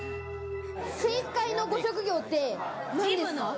正解のご職業って何ですか？